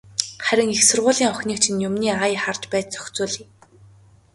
Харин их сургуулийн охиныг чинь юмны ая харж байж зохицуулъя.